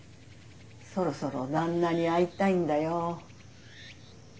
そろそろ旦那に会いたいんだよ。